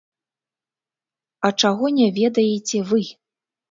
А чаго не ведаеце вы?